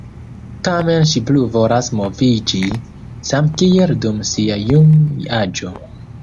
Tamen ŝi plu volas moviĝi, same kiel dum sia jun-aĝo.